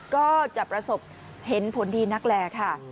ก็จะประสบเห็นผลดีนักแลค่ะ